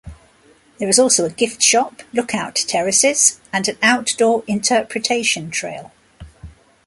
There is also a gift shop, lookout terraces, and an outdoor interpretation trail.